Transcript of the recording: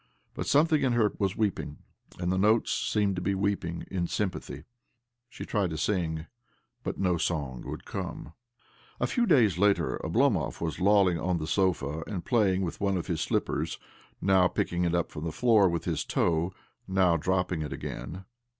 But something in her was weeping, and the notes seemed to be weeping in sympathy. She tried to sing, but no song would come. A few days later, Oblomov was lolling on the sofa and playing with one of his slippers — now picking it up from the floor with his toe, now dropping it again.